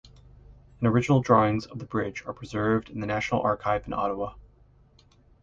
An original drawings of the bridge are preserved in the National Archive in Ottawa.